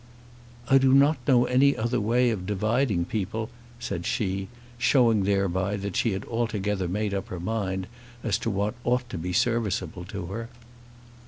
"I do not know any other way of dividing people," said she, showing thereby that she had altogether made up her mind as to what ought to be serviceable to her.